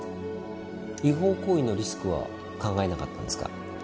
違法行為のリスクは考えなかったんですか？